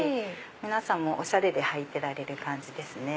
皆さんもおしゃれで履いてられる感じですね。